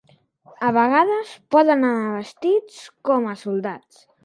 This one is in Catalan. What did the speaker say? A vegades poden anar vestits com a soldats.